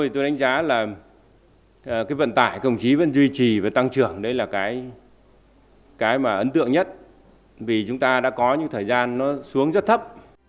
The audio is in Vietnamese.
tôi đánh giá là cái vận tải công trí vẫn duy trì và tăng trưởng đấy là cái mà ấn tượng nhất vì chúng ta đã có những thời gian nó xuống rất thấp